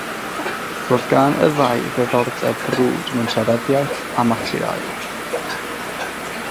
Roedd gan y ddau ddiddordeb brwd mewn seryddiaeth amaturaidd.